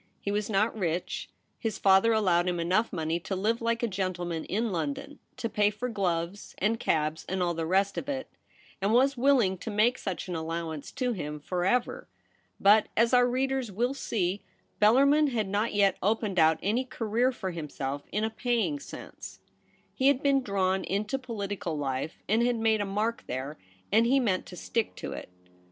He was not rich; his father allowed him enough money to live like a gentleman in London, to pay for gloves and cabs and all the rest of it, and was willing to make such an allowance to him for ever. But, as our readers will see, Bellarmin had not yet opened out any career for himself in a paying sense. He had been drawn into political life and had made a mark there, and he meant to stick to it.